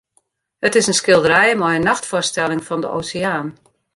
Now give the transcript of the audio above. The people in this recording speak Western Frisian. It is in skilderij mei in nachtfoarstelling fan de oseaan.